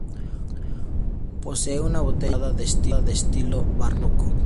Posee una bella portada de estilo barroco.